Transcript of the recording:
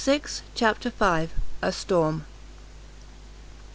CHAPTER v. A STORM.